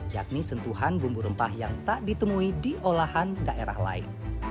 yakni sentuhan bumbu rempah yang tak ditemui di olahan daerah lain